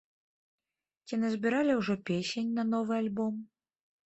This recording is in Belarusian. Ці назбіралі ўжо песень на новы альбом?